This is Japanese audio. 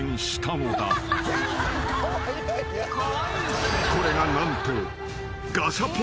［これが何と］